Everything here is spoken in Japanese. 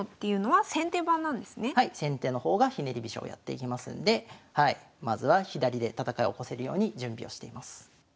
はい先手の方がひねり飛車をやっていきますんでまずは左で戦い起こせるように準備をしています。